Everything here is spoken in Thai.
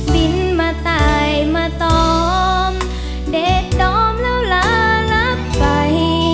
บินมาตายมาตอมเด็ดดอมแล้วลารับไป